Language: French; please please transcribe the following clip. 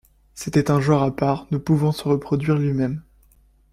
C’était un genre à part ne pouvant se reproduire lui-même.